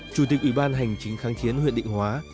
chủ tịch ủy ban hành chính kháng chiến huyện định hóa